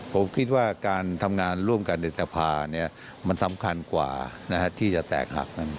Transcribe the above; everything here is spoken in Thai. ผมคิดว่าการทำงานร่วมกันในธรรพาเนี่ยมันสำคัญกว่านะฮะที่จะแตกหัก